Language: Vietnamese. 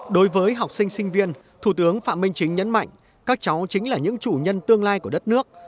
đối với học sinh sinh viên thủ tướng phạm minh chính nhấn mạnh các cháu chính là những chủ nhân tương lai của đất nước